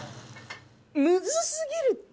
むずすぎるって！